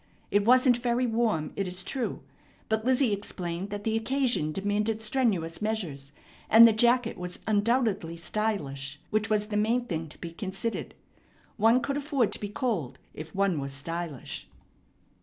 It wasn't very warm, it is true; but Lizzie explained that the occasion demanded strenuous measures, and the jacket was undoubtedly stylish, which was the main thing to be considered. One could afford to be cold if one was stylish.